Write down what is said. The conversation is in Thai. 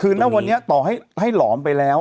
คือณวันนี้ต่อให้หลอมไปแล้ว